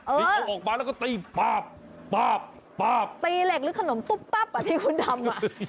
เออออกมาแล้วก็ตีตีเหล็กหรือขนมตุ๊บตับอ่ะที่คุณทำอ่ะ